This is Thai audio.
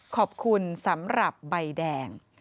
ขอบคุณสำหรับใบแดง